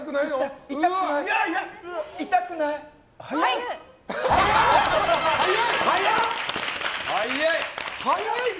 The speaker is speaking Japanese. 痛くないの？